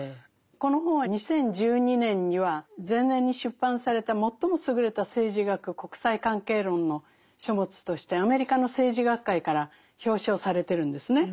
この本は２０１２年には前年に出版された「最も優れた政治学・国際関係論の書物」としてアメリカの政治学会から表彰されてるんですね。